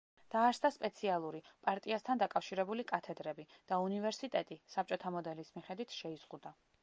დაარსდა სპეციალური, პარტიასთან დაკავშირებული კათედრები და უნივერსიტეტი საბჭოთა მოდელის მიხედვით შეიზღუდა.